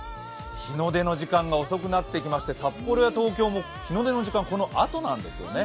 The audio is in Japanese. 日の出の時間が遅くなってきまして、札幌や東京も日の出の時間、このあとなんですよね。